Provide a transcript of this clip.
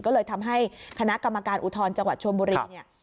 ก็เลยทำให้คณะกรรมการอุทรจังหวัดชวนบุริษัท